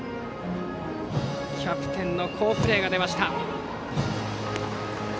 キャプテンの好プレーが出ました。